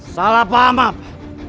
salah faham apa